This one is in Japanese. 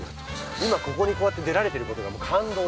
今ここにこうやって出られてる事が感動です。